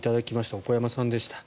小古山さんでした。